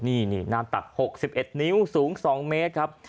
นี่น้ำตัก๖๑นิ้วสูง๒เมตรครับ